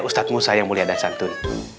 ustadz musa yang mulia dan santun